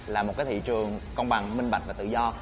là một thị trường công bằng minh bạch và tự do